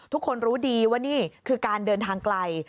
ทุกคนรู้ดีว่านี่คือการเดินทางไกล